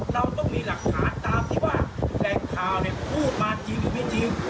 เราต้องมีหลักฐานตามที่ว่าแหล่งข่าวพูดมาจริงหรือไม่จริง